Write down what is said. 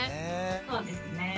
そうですね。